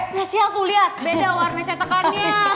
spesial tuh liat beda warna cetekannya